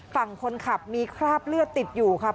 ฝั่งคนขับมีคราบเลือดติดอยู่ครับ